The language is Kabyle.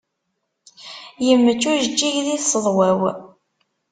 Yemmečč ujeǧǧig di tseḍwa-w.